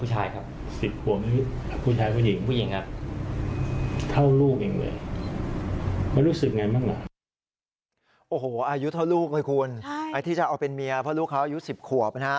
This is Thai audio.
ไหนที่จะเอาเป็นเมียเพราะลูกเขาอายุ๑๐ขวบนะฮะ